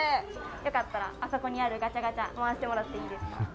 よかったら、あそこにあるガチャガチャ、回してもらっていいです